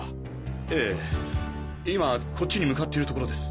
ええ今こっちに向かっているところです。